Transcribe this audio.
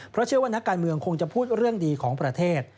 เพราะเชื่อว่านักการเมืองคงจะพูดเรื่องดีของประเทศ